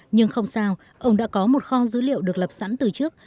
nhưng không sao ông đã có một kho dữ liệu được lập sẵn từ trước